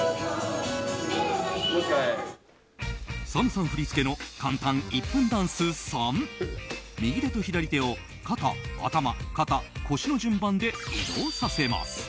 ＳＡＭさん振り付けの簡単１分ダンス３右手と左手を、肩、頭、肩、腰の順番で移動させます。